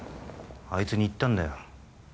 あいつに言ったんだよ